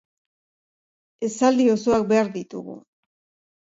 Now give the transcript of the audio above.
Esaldi osoak behar ditugu.